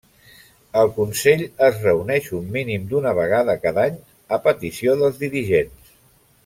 El Consell es reuneix un mínim d'una vegada cada any, a petició dels dirigents.